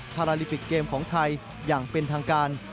พาราลิมปิกเกมของไทยอย่างเป็นทางการ